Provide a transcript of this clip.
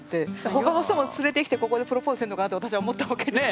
他の人も連れてきてここでプロポーズしてるのかなと私は思ったわけですよ。